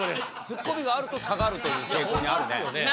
ツッコミがあると下がるという傾向にあるね。